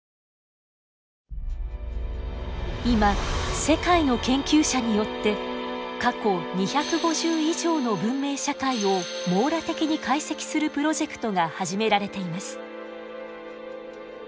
今世界の研究者によって過去２５０以上の文明社会を網羅的に解析するプロジェクトが始められています。